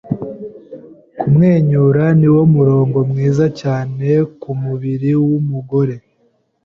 Kumwenyura niwo murongo mwiza cyane ku mubiri wumugore.